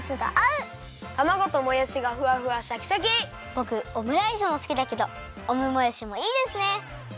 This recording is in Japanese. ぼくオムライスもすきだけどオムもやしもいいですね！